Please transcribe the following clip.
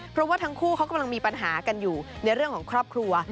เพราะว่าทั้งคู่เขากำลังมีปัญหากันอยู่ในเรื่องของครอบครัว